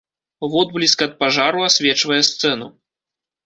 Водбліск ад пажару асвечвае сцэну.